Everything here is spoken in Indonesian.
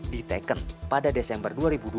diteken pada desember dua ribu dua puluh dua